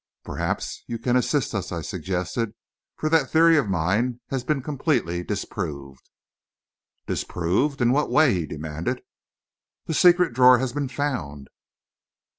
"Perhaps you can assist us," I suggested, "for that theory of mine has been completely disproved." "Disproved? In what way?" he demanded. "The secret drawer has been found...."